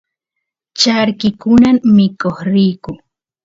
charki kunan mikoq riyku